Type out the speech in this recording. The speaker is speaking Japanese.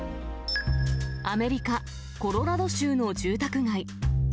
アメリカ・コロラド州の住宅街。